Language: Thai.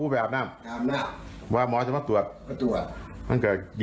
สวัสดีครับ